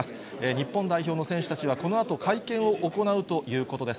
日本代表の選手たちは、このあと会見を行うということです。